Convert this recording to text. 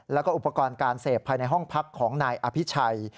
แล้วก็อุปกรณ์การเสพภายในห้องพักของนายอภิชัย